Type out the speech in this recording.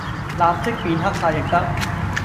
立即變黑晒亦得